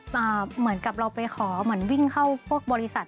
เหมือนกับเราไปขอเหมือนวิ่งเข้าพวกบริษัท